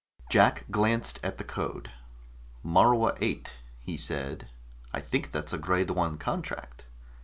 Jack glanced at the code. "Morua VIII," he said. "I think that's a grade I contract."